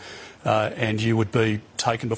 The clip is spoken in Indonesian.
anda akan disuduh untuk penyebab